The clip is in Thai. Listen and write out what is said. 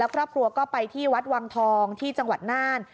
ครอบครัวก็ไปที่วัดวังทองที่จังหวัดน่าน